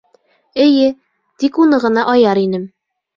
Эйе, тик уны ғына аяр инем.